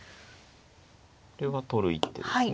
これは取る一手ですね。